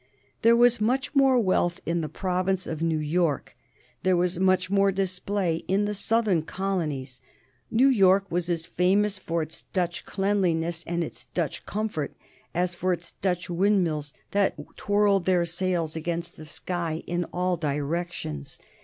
There was much more wealth in the province of New York; there was much more display in the southern colonies. New York was as famous for its Dutch cleanliness and its Dutch comfort as for its Dutch windmills that twirled their sails against the sky in all directions.